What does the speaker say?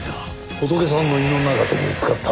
ホトケさんの胃の中で見つかった。